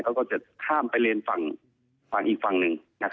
เขาก็จะข้ามไปเลนฝั่งอีกฝั่งหนึ่งนะครับ